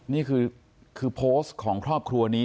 นี่คือโพสต์ของครอบครัวนี้